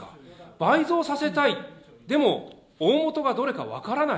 倍増させたい、でも、大本がどれか分からない。